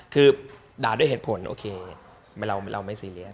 คือด่าด้วยเหตุผลโอเคเราไม่ซีเรียส